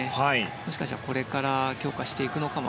もしかしたらこれから強化していくのかも